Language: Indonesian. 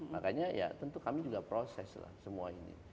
makanya ya tentu kami juga proses lah semua ini